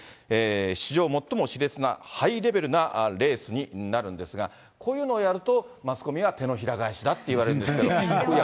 史上最もしれつなハイレベルなレースになるんですが、こういうのをやると、マスコミは手のひら返しだと言われるんですけれども。